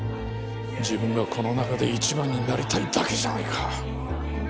自分がこの中で一番になりたいだけじゃないか！